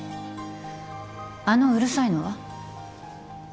あのうるさいのは？